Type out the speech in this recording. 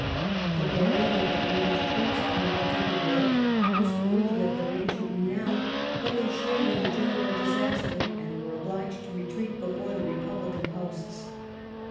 The bearing of the English troops under the Duke of York was worthy of their ancient renown, but they shared in the general disaster, and were obliged to retreat before the repub lican hosts.